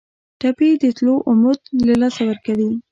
ټپي د تلو امید له لاسه ورکوي.